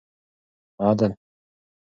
عدل